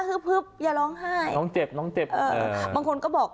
คืออย่าร้องไห้น้องเจ็บน้องเจ็บเออบางคนก็บอก